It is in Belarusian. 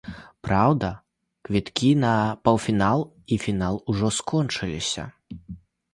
Праўда, квіткі на паўфінал і фінал ужо скончыліся.